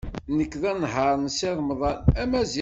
Nekk d anehhaṛ n Si Remḍan.